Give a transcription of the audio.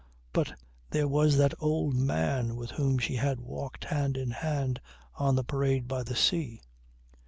But there was that old man with whom she had walked hand in hand on the parade by the sea.